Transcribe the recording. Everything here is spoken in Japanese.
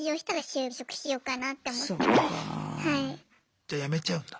じゃ辞めちゃうんだ？